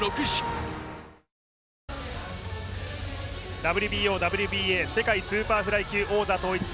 ＷＢＯ・ＷＢＡ世界スーパーフライ級王座統一戦。